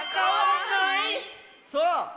そう。